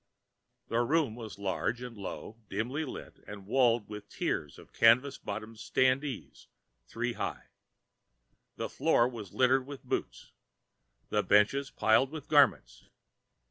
The room was large and low, dim lighted and walled with tiers of canvas bottomed "standees" three high. The floor was a litter of boots, the benches piled with garments.